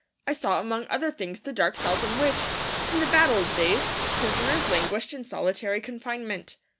I saw among other things the dark cells in which, in the bad old days, prisoners languished in solitary confinement.